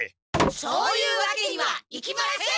そういうわけにはいきません！